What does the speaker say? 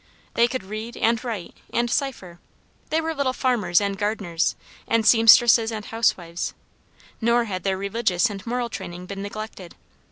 They could read, and write, and cypher. They were little farmers, and gardeners, and seamstresses, and housewives. Nor had their religious and moral training been neglected.